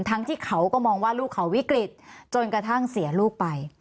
ที่เขาก็มองว่าลูกเขาวิกฤตจนกระทั่งเสียลูกไป